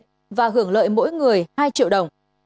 qua hưởng lợi mỗi người hai triệu đồng